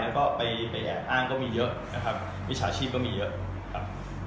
แล้วก็ไปแอบอ้างก็มีเยอะนะครับวิชาชีพก็มีเยอะนะครับ